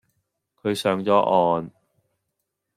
佢上咗岸